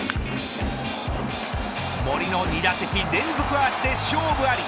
森の２打席連続アーチで勝負あり。